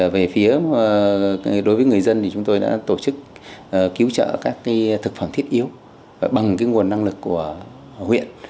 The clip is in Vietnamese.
về phía đối với người dân thì chúng tôi đã tổ chức cứu trợ các thực phẩm thiết yếu bằng nguồn năng lực của huyện